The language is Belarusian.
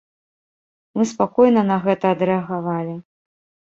Мы спакойна на гэта адрэагавалі.